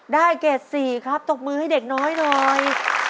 ได้เกรด๔ครับตกมือให้เด็กน้อย